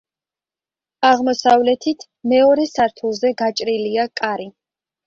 აღმოსავლეთით, მეორე სართულზე გაჭრილია კარი.